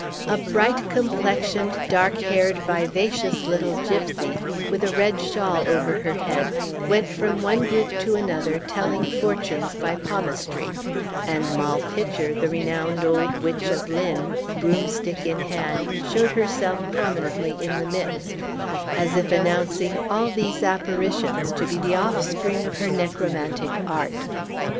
A bright complexioned, dark haired, vivacious little gypsy, with a red shawl over her head, went from one group to another, telling fortunes by palmistry; and Moll Pitcher, the renowned old witch of Lynn, broomstick in hand, showed herself prominently in the midst, as if announcing all these apparitions to be the offspring of her necromantic art.